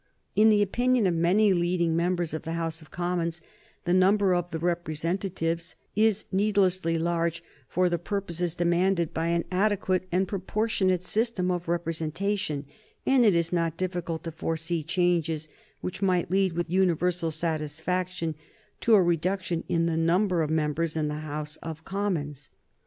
In the opinion of many leading members of the House of Commons the number of representatives is needlessly large for the purposes demanded by an adequate and proportionate system of representation, and it is not difficult to foresee changes which might lead, with universal satisfaction, to a reduction in the number of members in the House of Commons.